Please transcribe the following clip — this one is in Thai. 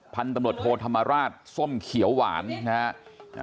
พันธุ์ตำรวจโทธรรมราชส้มเขียวหวานนะฮะ